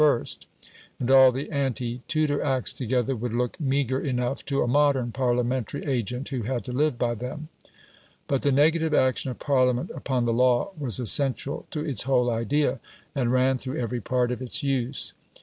and all the ante Tudor acts together would look meagre enough to a modern Parliamentary agent who had to live by them. But the negative action of Parliament upon the law was essential to its whole idea, and ran through every part of its use.